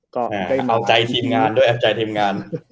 เขาอาจจะแอบใจทีมงาน